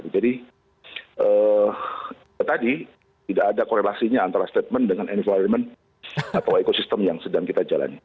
jadi tadi tidak ada korelasinya antara statement dengan environment atau ekosistem yang sedang kita jalani